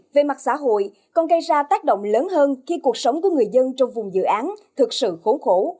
về mặt xã hội còn gây ra tác động lớn hơn khi cuộc sống của người dân trong vùng dự án thực sự khốn khổ